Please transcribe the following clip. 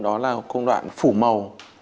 đó là công đoạn phủ màu